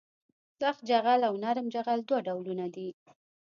سخت جغل او نرم جغل دوه ډولونه دي